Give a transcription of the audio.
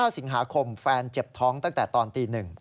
สิงหาคมแฟนเจ็บท้องตั้งแต่ตอนตี๑